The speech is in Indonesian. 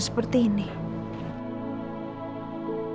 sebenarnya saya masih penasaran